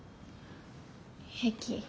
平気。